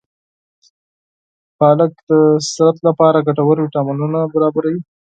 پالک د بدن لپاره ګټور ویټامینونه برابروي.